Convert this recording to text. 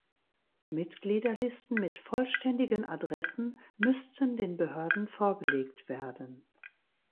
Mitgliederlisten mit vollständigen Adressen müssten den Behörden vorgelegt werden.